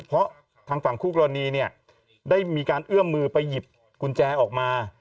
เพราะทางฝั่งคู่กรณีเนี่ยได้มีการเอื้อมมือไปหยิบกุญแจออกมา